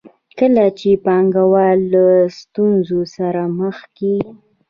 کله چې پانګوال له ستونزو سره مخ کېږي